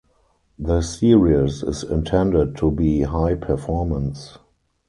The series is intended to be high performance.